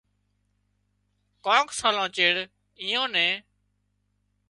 ڪانڪ سالان چيڙ ايئان نين